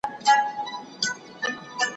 ما چي ول باران به وورېږي باره زه کور ته راغلم